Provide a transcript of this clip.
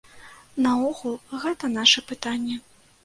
Наогул гэта нашы пытанні.